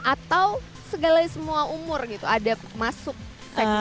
atau segala semua umur gitu ada masuk segmen